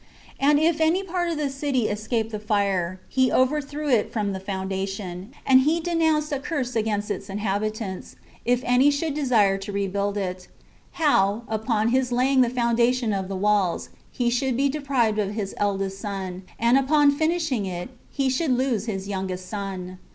8. And if any part of the city escaped the fire, he overthrew it from the foundation; and he denounced a curse 3against its inhabitants, if any should desire to rebuild it; how, upon his laying the foundation of the walls, he should be deprived of his eldest son; and upon finishing it, he should lose his youngest son.